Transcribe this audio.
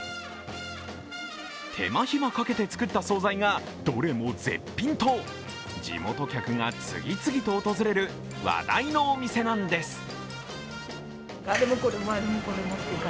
手間暇かけて作った総菜が、どれも絶品と地元客が次々と訪れる話題のお店なんです。